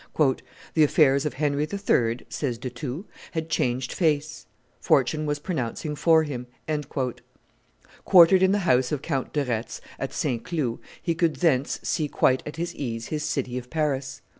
"The affairs of Henry III.," says De Thou, "had changed face; fortune was pronouncing for him." Quartered in the house of Count de Retz, at St. Cloud, he could thence see quite at his ease his city of Paris.